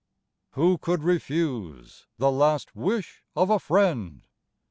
WHO could refuse The last wish of a friend